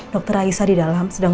dr raisa di dalam sedang